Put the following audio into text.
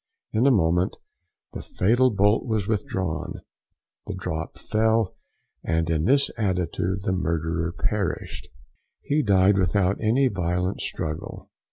In a moment the fatal bolt was withdrawn, the drop fell, and in this attitude the murderer perished. He died without any violent struggle.